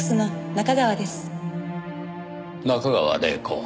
中川麗子。